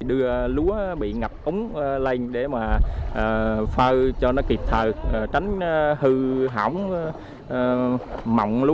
đưa lúa bị ngập úng lên để mà phơ cho nó kịp thời tránh hư hỏng mỏng lúa